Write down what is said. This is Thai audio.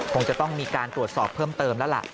คงจะต้องมีการตรวจสอบเพิ่มเติมแล้วล่ะ